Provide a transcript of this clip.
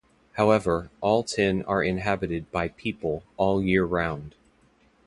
However, all ten are inhabited by people all year around.